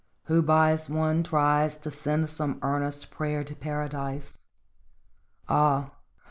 Who buys one tries To send some earnest prayer to Paradise. Ah